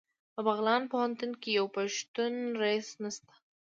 په بغلان پوهنتون کې یو پښتون رییس نشته